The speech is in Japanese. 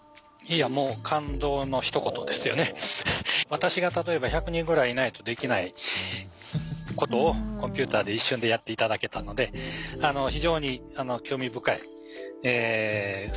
私が例えば１００人ぐらいいないとできないことをコンピューターで一瞬でやって頂けたので非常に興味深い成果だと思います。